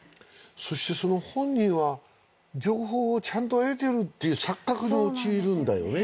そしてその本人は情報をちゃんと得てるっていう錯覚に陥るんだよね